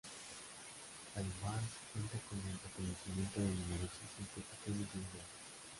Además, cuenta con el reconocimiento de numerosas instituciones y gobiernos.